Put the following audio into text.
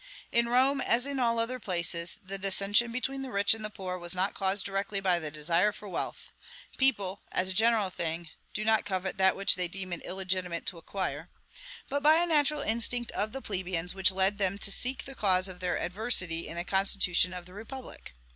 In Rome, as in all other places, the dissension between the rich and the poor was not caused directly by the desire for wealth (people, as a general thing, do not covet that which they deem it illegitimate to acquire), but by a natural instinct of the plebeians, which led them to seek the cause of their adversity in the constitution of the republic.